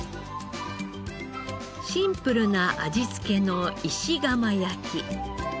シンプルな味付けの石窯焼き。